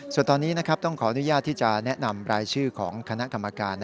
ส่วนตอนนี้ต้องขออนุญาตที่จะแนะนำรายชื่อของคณะกรรมการ